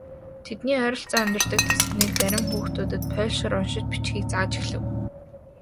Тэдний ойролцоо амьдардаг тосгоны зарим хүүхдүүдэд польшоор уншиж бичихийг зааж эхлэв.